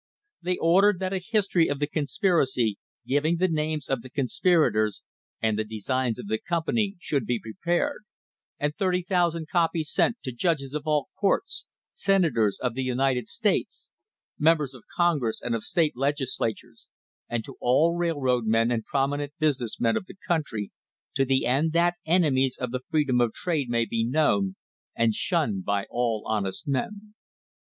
They ordered that a history of the conspiracy, giving the names of the conspirators and the designs of the company, should be prepared, and 30,00x5 copies sent to "judges of all courts, senators of the United States, members of Congress and of State Legislatures, and to all railroad men and prominent business men of the country, to the end that enemies of the freedom of trade may be known and shunned by all honest men."